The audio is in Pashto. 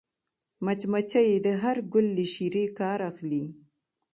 مچمچۍ د هر ګل له شيرې کار اخلي